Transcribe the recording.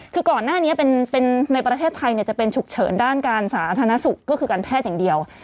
คือก่อนหน้านี้ในประเทศไทยจะเป็นฉุกเฉินด้านการสาธารณสุขก็คือการแพทย์อย่างเดียว